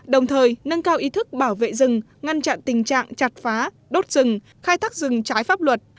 đồng thời nâng cao ý thức bảo vệ rừng ngăn chặn tình trạng chặt phá đốt rừng khai thác rừng trái pháp luật